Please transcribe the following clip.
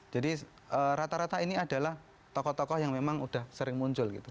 jadi rata rata ini adalah tokoh tokoh yang memang sudah sering muncul gitu